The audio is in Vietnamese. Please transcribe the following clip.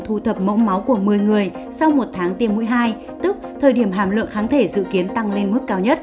thu thập mẫu máu của một mươi người sau một tháng tiêm mũi hai tức thời điểm hàm lượng kháng thể dự kiến tăng lên mức cao nhất